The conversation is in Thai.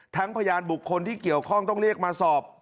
พยานบุคคลที่เกี่ยวข้องต้องเรียกมาสอบ